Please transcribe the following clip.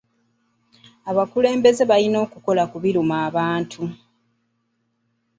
Abakulembeze balina okukola ku biruma abantu.